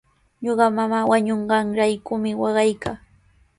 Ñuqa mamaa wañunqanraykumi waqaykaa.